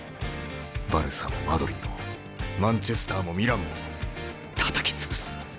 バルサもマドリーもマンチェスターもミランもたたき潰す。